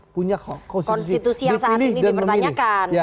punya konstitusi yang dipilih dan memilih